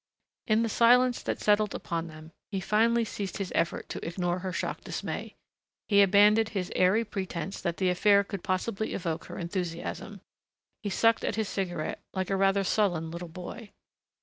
In the silence that settled upon them he finally ceased his effort to ignore her shocked dismay. He abandoned his airy pretense that the affair could possibly evoke her enthusiasm. He sucked at his cigarette like a rather sullen little boy.